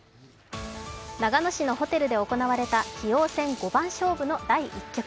長野市のホテルで行われた棋王戦五番勝負の第１局。